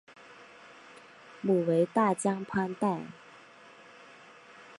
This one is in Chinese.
母为大江磐代。